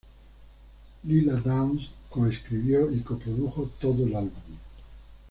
Lila Downs coescribió y coprodujo todo el álbum.